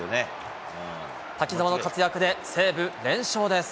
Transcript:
滝澤の活躍で、西武、連勝です。